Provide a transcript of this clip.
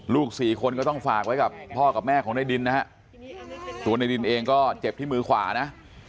สี่คนก็ต้องฝากไว้กับพ่อกับแม่ของในดินนะฮะตัวในดินเองก็เจ็บที่มือขวานะ